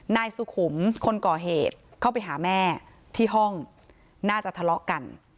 นายสุขุมคนก่อเหตุเข้าไปหาแม่ที่ห้องน่าจะทะเลาะกัน